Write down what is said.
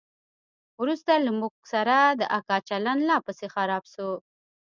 وروسته له موږ سره د اکا چلند لا پسې خراب سو.